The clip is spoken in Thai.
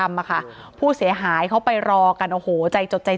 อ๋อเจ้าสีสุข่าวของสิ้นพอได้ด้วย